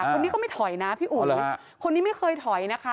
คนนี้ก็ไม่ถอยนะพี่อุ๋ยคนนี้ไม่เคยถอยนะคะ